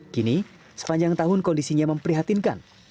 kini sepanjang tahun kondisinya memprihatinkan